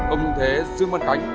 ông như thế dương văn khánh